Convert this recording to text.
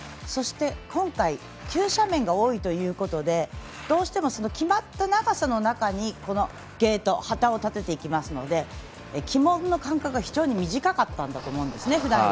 そして今回、急斜面が多いということで、どうしても決まった長さの中にゲート、旗を立てていきますので旗門の間隔がふだんより非常に短かったと思うんです。